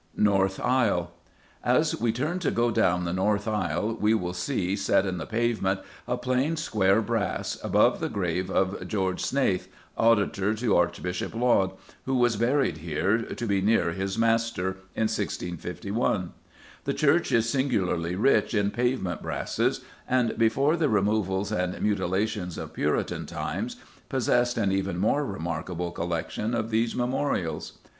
North Aisle. As we turn to go down the north aisle we will see, set in the pavement, a plain, square brass above the grave of George Snayth, auditor to Archbishop Laud, who was buried here, to be near his master, in 1651. The church is singularly rich in pavement brasses, and, before the removals and mutilations of Puritan times, possessed an even more remarkable collection of these memorials.